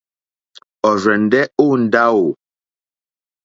Ɔ̀rzɛ̀ndɛ́ ó ndáwò.